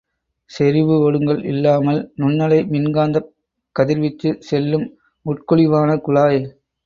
செறிவு ஒடுங்கல் இல்லாமல் நுண்ணலை மின்காந்தக் கதிர்வீச்சு செல்லும் உட்குழிவான குழாய்.